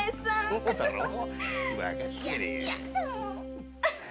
そうだろう？